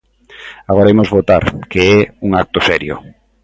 Agora imos votar, que é un acto serio.